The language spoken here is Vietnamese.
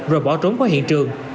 rồi bỏ trốn qua hiện trường